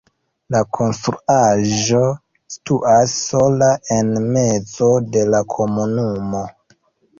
La konstruaĵo situas sola en mezo de la komunumo.